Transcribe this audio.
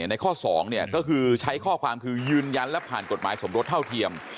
ในข้อ๒ก็คือใช้ข้อความคือยืนยันและผ่านกฎหมายสมรสเท่าเทียม